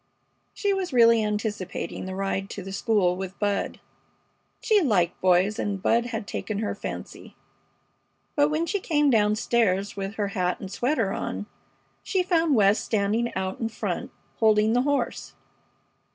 She was really anticipating the ride to the school with Bud. She liked boys, and Bud had taken her fancy. But when she came down stairs with her hat and sweater on she found West standing out in front, holding the horse.